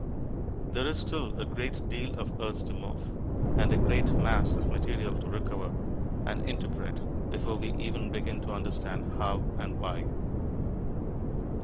There is still a great deal of earth to move, and a great mass of material to recover and interpret before we even begin to understand "how" and "why."